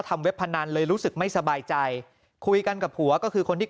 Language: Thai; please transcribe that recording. เว็บพนันเลยรู้สึกไม่สบายใจคุยกันกับผัวก็คือคนที่